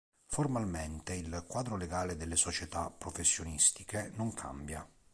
Formalmente il quadro legale delle società professionistiche non cambia.